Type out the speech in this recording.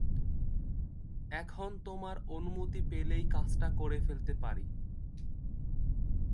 এখন তোমার অনুমতি পেলেই কাজটা করে ফেলতে পারি।